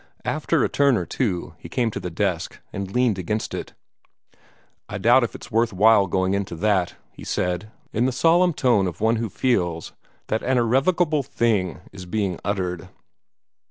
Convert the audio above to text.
After a turn or two he came to the desk, and leaned against it. "I doubt if it's worth while going into that," he said, in the solemn tone of one who feels that an irrevocable thing is being uttered.